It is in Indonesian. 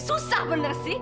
susah bener sih